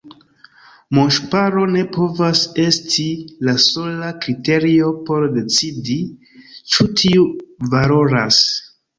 Monŝparo ne povas esti la sola kriterio por decidi, ĉu tio valoras.